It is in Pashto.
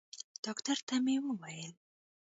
ډاکتر ته مې وويل.